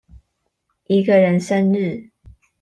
一個人生日